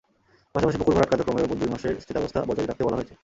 পাশাপাশি পুকুর ভরাট কার্যক্রমের ওপর দুই মাসের স্থিতাবস্থা বজায় রাখতে বলা হয়েছে।